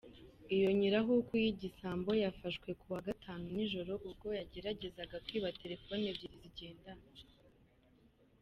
Iyo nyirahuku y’igisambo yafashwe kuwa gatanu nijoro ubwo yageragezaga kwiba telephone ebyiri zigendanwa.